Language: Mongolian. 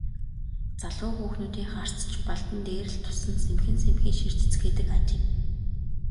Залуу хүүхнүүдийн харц ч Балдан дээр л тусан сэмхэн сэмхэн ширтэцгээдэг ажээ.